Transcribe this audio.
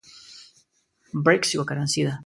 برېکس یوه کرنسۍ ده